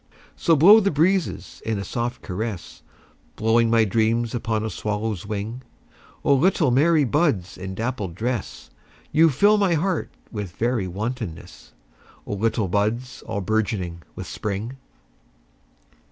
So blow the breezes in a soft caress, Blowing my dreams upon a swallow's wing;O little merry buds in dappled dress, You fill my heart with very wantonness—O little buds all bourgeoning with Spring!